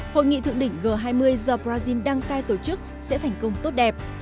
hội nghị thượng đỉnh g hai mươi do brazil đăng cai tổ chức sẽ thành công tốt đẹp